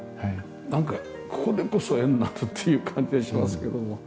なんかこれこそ絵になるっていう感じがしますけども。